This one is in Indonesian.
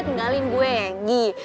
tenggalin gue ya ghi